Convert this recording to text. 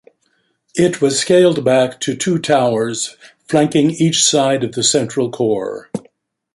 It was scaled back to two towers flanking each side of the central core.